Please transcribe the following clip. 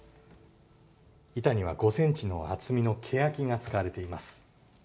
板には５ｃｍの厚みのけやきが使われています。